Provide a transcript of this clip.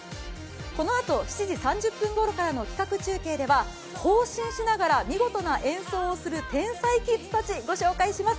このあと７時３０分ごろからの企画中継では行進しながら見事な演奏をする天才キッズたちをご紹介します。